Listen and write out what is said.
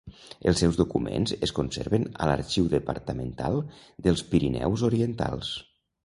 Els seus documents es conserven a l'Arxiu Departamental dels Pirineus Orientals.